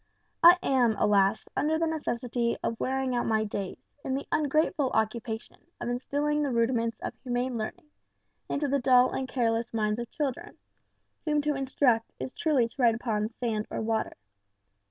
I am, alas! under the necessity of wearing out my days in the ungrateful occupation of instilling the rudiments of humane learning into the dull and careless minds of children, whom to instruct is truly to write upon sand or water.